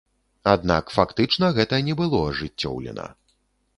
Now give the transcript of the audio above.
Аднак, фактычна гэта не было ажыццёўлена.